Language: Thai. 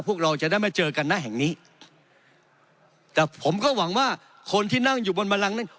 พวกเราจะได้มาเจอกันหน้าแห่งนี้แต่ผมก็หวังว่าคนที่นั่งอยู่บนบันลังนั้น